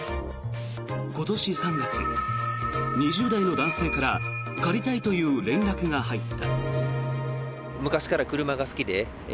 今年３月、２０代の男性から借りたいという連絡が入った。